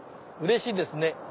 うれしいですね。